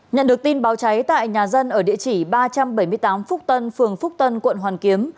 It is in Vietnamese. nhận được tin báo cháy tại nhà dân ở địa chỉ ba trăm bảy mươi tám phúc tân phường phúc tân quận hoàn kiếm